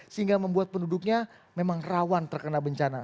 sehingga membuat penduduknya memang rawan terkena bencana